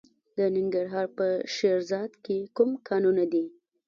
د ننګرهار په شیرزاد کې کوم کانونه دي؟